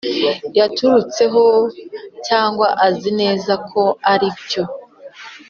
yaturutseho cyangwa azi neza ko aribyo